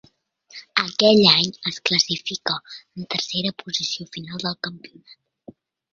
Aquell any es classificà en tercera posició final del campionat.